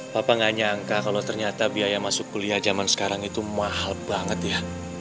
bapak nggak nyangka kalau ternyata biaya masuk kuliah zaman sekarang itu mahal banget ya